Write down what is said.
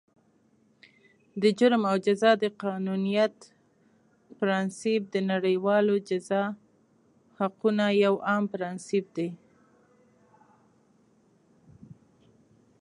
د جرم او جزا د قانونیت پرانسیپ، د نړیوالو جزا حقوقو یو عام پرانسیپ دی.